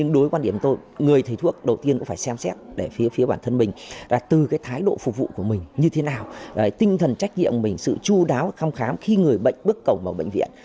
như thế nào tinh thần trách nhiệm của mình sự chú đáo khăm khám khi người bệnh bước cầu vào bệnh viện